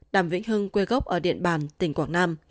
đàm vĩnh hưng quê gốc ở điện bàn tỉnh quảng nam